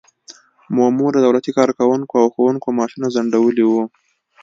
مومو د دولتي کارکوونکو او ښوونکو معاشونه ځنډولي وو.